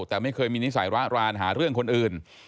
แต่ไม่เคยมีนิสัยระรานหาเรื่องคนอื่น